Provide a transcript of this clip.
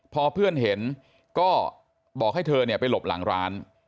พอเพื่อนเห็นก็บอกให้เธอเนี่ยไปหลบหลังร้าน